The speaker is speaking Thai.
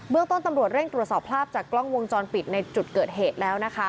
เรื่องต้นตำรวจเร่งตรวจสอบภาพจากกล้องวงจรปิดในจุดเกิดเหตุแล้วนะคะ